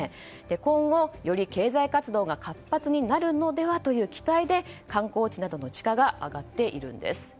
今後、より経済活動が活発になるのではという期待で、観光地などの地価が上がっているんです。